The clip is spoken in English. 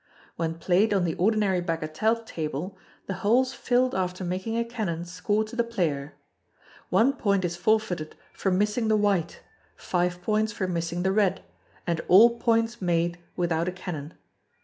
When played on the ordinary bagatelle table, the holes filled after making a canon score to the player. One point is forfeited for missing the white, five points for missing the red; and all points made without a canon.